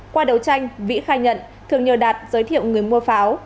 qua đấu tranh vĩ khai nhận thường nhờ đạt giới thiệu người mua pháo